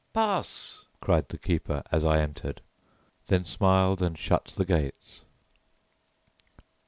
"Pass!" cried the keeper as I entered; then smiled and shut the gates.